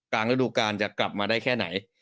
กลางฤดูกาลจะกลับมาได้แค่ไหน